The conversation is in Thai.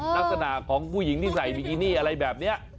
ลักษณะของผู้หญิงที่ใส่บิกินี่อะไรแบบนี้